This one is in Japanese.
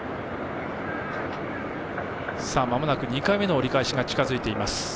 ２回目の折り返しが近づいています。